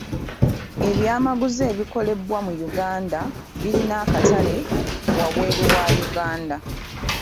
Ebyamaguzi ebikolebwa mu Uganda bilina akatale waabweru wa Uganda.